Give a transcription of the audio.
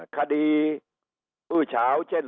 คดีอื้อเฉาเช่น